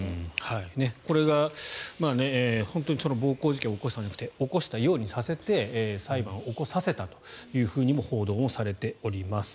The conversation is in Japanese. これが本当に暴行事件を起こしたんじゃなくて起こしたようにさせて裁判を起こさせたとも報道されております。